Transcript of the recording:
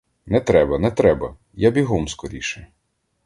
Не треба, не треба, — я бігом скоріше!